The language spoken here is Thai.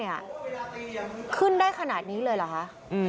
นี่น้องเสื้อขาโดนตีไปห้าทีที่มือ